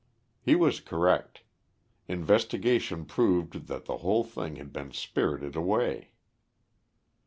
He was correct. Investigation proved that the whole thing had been spirited away.